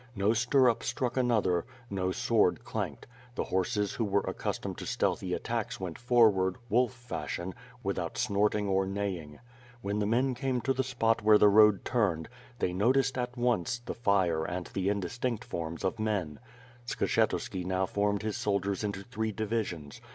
No stirrup struck another; no sword clanked; the horses who were 356 WITH FIRE AND BWORD. accustomed to stealthy attacks went forward, wolf fashion, without snorting or neighing. When the men came to the spot where the road turned, they noticed, at once, the fire and the indistinct forms of men. Skshetuski now formed his soldiers into three divisions.